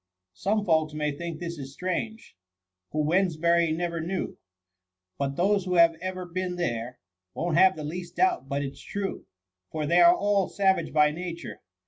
' Some folks may think this is strange^ Who Wedneshiiry never knew^ But those who have ever been there^ Won't have the least doubt but it's true. For they are all savage by nature.